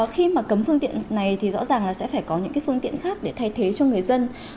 khi mà cấm phương tiện này thì rõ ràng là sẽ phải có những phương tiện khác để thay thế cho người dân